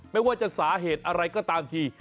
ไม่ว่าจะสาเหตุอะไรก็ตามที